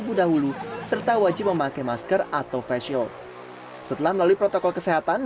budahulu serta wajib memakai masker atau face shield setelah melalui protokol kesehatan